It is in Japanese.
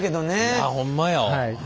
いやほんまやわ。